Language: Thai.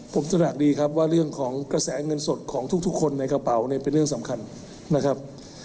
ผมตระหนักดีครับว่าเรื่องของกระแสเงินสดของทุกคนในกระเป๋าเนี่ยเป็นเรื่องสำคัญนะครับ